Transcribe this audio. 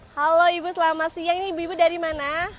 halo ibu selamat siang ini ibu ibu dari mana